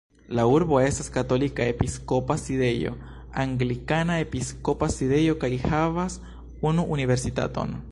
La urbo estas katolika episkopa sidejo, anglikana episkopa sidejo kaj havas unu universitaton.